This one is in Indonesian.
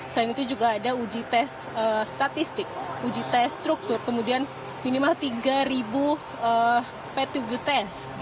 dan itu juga ada uji tes statistik uji tes struktur kemudian minimal tiga ribu petuguh tes